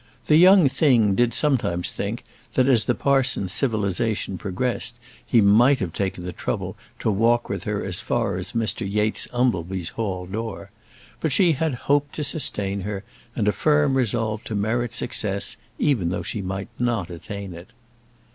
The young thing did sometimes think that, as the parson's civilisation progressed, he might have taken the trouble to walk with her as far as Mr Yates Umbleby's hall door; but she had hope to sustain her, and a firm resolve to merit success, even though she might not attain it.